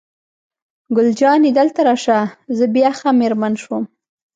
ګل جانې: دلته راشه، زه بیا ښه مېرمن شوم.